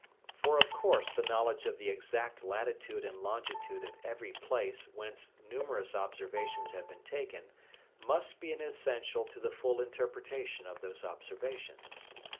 For of course the knowledge of the exact latitude and longitude of every place whence numerous observations have been taken must be an essential to the full interpretation of those observations.